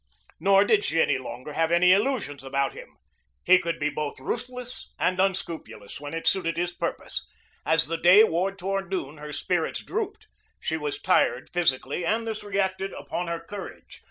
Nor did she any longer have any illusions about him. He could be both ruthless and unscrupulous when it suited his purpose. As the day wore toward noon, her spirits drooped. She was tired physically, and this reacted upon her courage.